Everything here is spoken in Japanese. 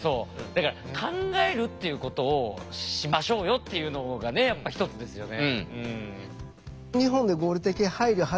だから考えるっていうことをしましょうよっていうのがやっぱ一つですよね。